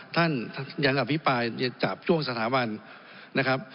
ท่านยังอภิปรายจับช่วงสถาบันนะครับ